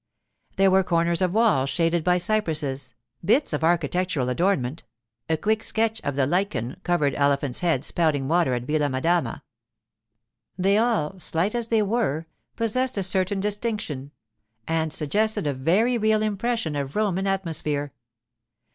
There were corners of wall shaded by cypresses, bits of architectural adornment, a quick sketch of the lichen covered elephant's head spouting water at Villa Madama. They all, slight as they were, possessed a certain distinction, and suggested a very real impression of Roman atmosphere.